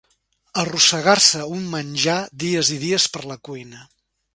Arrossegar-se un menjar dies i dies per la cuina.